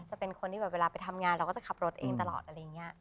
จะเป็นคนที่แบบเวลาไปทำงานเราก็จะขับรถเองตลอดอะไรอย่างนี้